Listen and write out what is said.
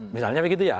misalnya begitu ya